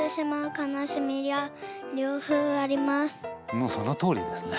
もうそのとおりですね。